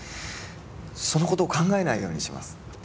そのことを考えないようにします。